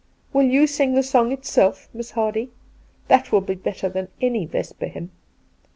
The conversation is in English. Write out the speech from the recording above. Will you sing the song itself, Miss Hardy? That will be better than any " Vesper Hymn."